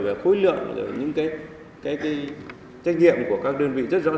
và khối lượng rồi những cái trách nhiệm của các đơn vị rất rõ ràng